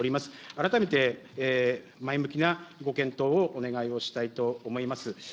改めて前向きなご検討をお願いをしたいと思います。